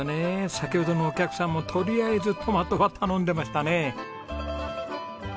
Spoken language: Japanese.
先ほどのお客さんもとりあえずトマトは頼んでましたね。